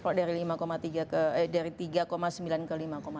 kalau dari tiga sembilan ke lima